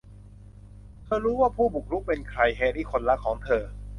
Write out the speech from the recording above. เธอรู้ว่าผู้บุกรุกเป็นใคร : แฮร์รี่คนรักของเธอ